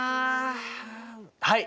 はい。